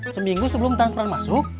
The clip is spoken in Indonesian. seminggu sebelum tanggal satu masuk